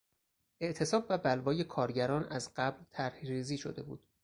اعتصاب و بلوای کارگران از قبل طرح ریزی شده بود.